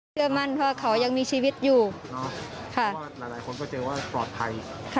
เชื่อมั่นว่าเขายังมีชีวิตอยู่ค่ะเพราะว่าหลายหลายคนก็เจอว่าปลอดภัยค่ะ